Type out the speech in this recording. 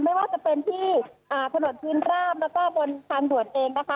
ไม่ว่าจะเป็นที่ถนนพื้นราบแล้วก็บนทางด่วนเองนะคะ